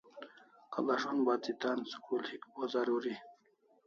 Kalashon bati tan school hik bo zaruri